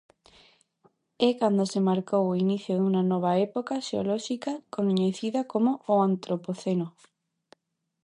É cando se marcou o inicio dunha nova época xeolóxica coñecida como o Antropoceno.